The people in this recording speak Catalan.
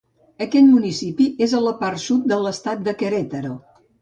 Aquest municipi és a la part sud de l'estat de Querétaro.